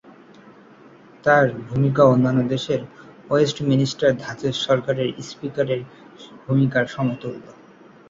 তার ভূমিকা অন্যান্য দেশের ওয়েস্টমিনস্টার ধাঁচের সরকারে স্পিকারের ভূমিকার সমতুল্য।